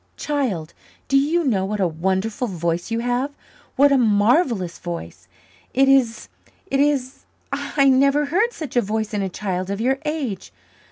"Child, do you know what a wonderful voice you have what a marvellous voice? It is it is I never heard such a voice in a child of your age.